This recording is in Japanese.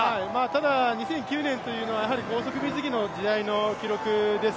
ただ２００９年というのは高速水着の時代の記録です。